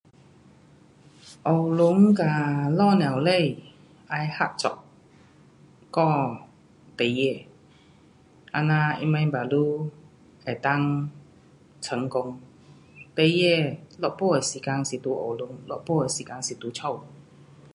学堂跟父母亲要合作教孩儿。这样他人 baru 能够成功。孩儿一部分时间是在学堂。一部分时间是在家。